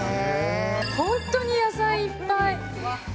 本当に野菜いっぱい。